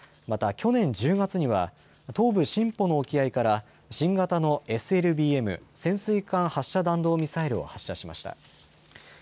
また去年１０月には東部シンポの沖合から新型のＳＬＢＭ・潜水艦発射弾道ミサイルを発射しました。